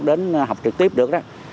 đến học trực tiếp được